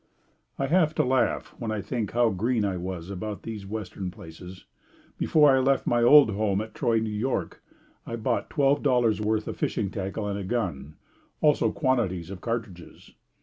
I have to laugh when I think how green I was about these western places. Before I left my old home at Troy, New York, I bought twelve dollars worth of fishing tackle and a gun, also quantities of cartridges.